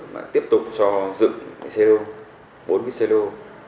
mà tiếp tục cho dựng xe lô bốn cái xe lô